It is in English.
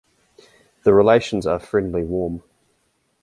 The relations are friendly warm.